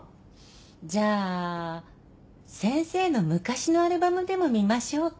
じゃあ先生の昔のアルバムでも見ましょうか。